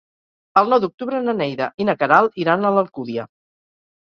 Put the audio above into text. El nou d'octubre na Neida i na Queralt iran a l'Alcúdia.